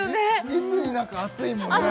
いつになく熱いもんね